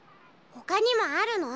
ほかにもあるの？